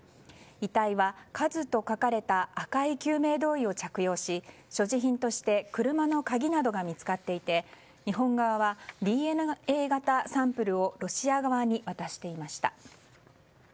遺体は「ＫＡＺＵ」と書かれた赤い救命胴衣を着用し、所持品として車の鍵などが見つかっていて日本側はＤＮＡ型サンプルをロシア側に渡していました。